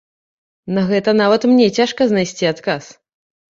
На гэта нават мне цяжка знайсці адказ.